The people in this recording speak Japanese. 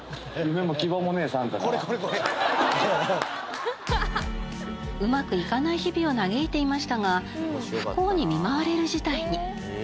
「これこれこれ」うまくいかない日々を嘆いていましたが不幸に見舞われる事態に。